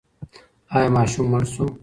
ایا ماشوم مړ شو؟